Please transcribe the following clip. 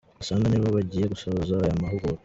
Gasana, nibo bagiye gusoza aya mahugurwa.